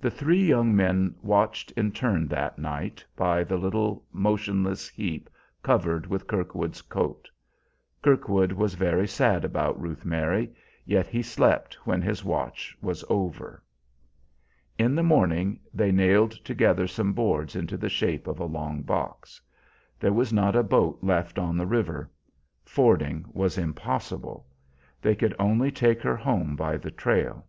The three young men watched in turn, that night, by the little motionless heap covered with Kirkwood's coat. Kirkwood was very sad about Ruth Mary, yet he slept when his watch was over. In the morning they nailed together some boards into the shape of a long box. There was not a boat left on the river; fording was impossible. They could only take her home by the trail.